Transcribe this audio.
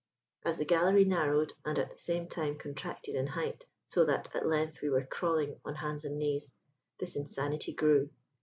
As the gallery narrowed and at the same time contracted in height, so that at length we were crawling on hands and knees, this insanity grew.